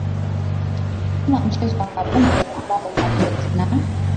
ama mchezo wa kabumbu ambao unaopendwa na